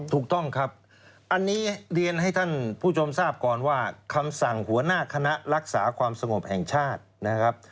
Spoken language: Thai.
ถูกต้องครับอันนี้เรียนให้ท่านผู้ชมทราบก่อนว่าคำสั่งหัวหน้าคณะรักษาความสงบแห่งชาตินะครับ